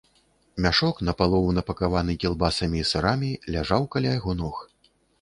Мяшок, напалову напакаваны кілбасамі і сырамі, ляжаў каля яго ног.